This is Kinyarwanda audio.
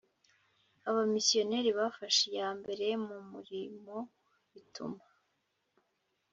Abamisiyonari bafashe iya mbere mu murimo bituma